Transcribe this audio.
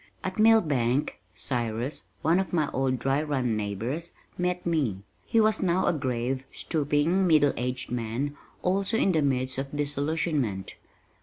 At Millbank, Cyrus, one of my old Dry Run neighbors, met me. He was now a grave, stooping middle aged man also in the midst of disillusionment.